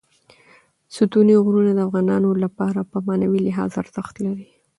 ستوني غرونه د افغانانو لپاره په معنوي لحاظ ارزښت لري.